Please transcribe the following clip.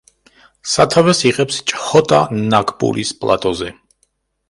სათავეს იღებს ჩჰოტა-ნაგპურის პლატოზე.